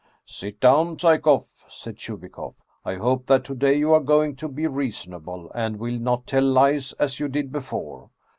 " Sit down, Psyekoff," said Chubikoff. " I hope that to day you are going to be reasonable, and will not tell lies, as you did before.